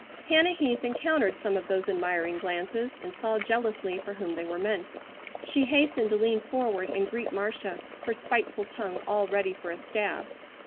Hannah Heath encountered some of those admiring glances and saw jealously for whom they were meant. She hastened to lean forward and greet Marcia, her spiteful tongue all ready for a stab.